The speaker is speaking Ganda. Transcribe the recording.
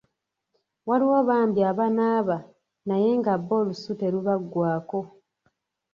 Waliwo bambi abanaaba naye nga bo olusu terubaggwaako.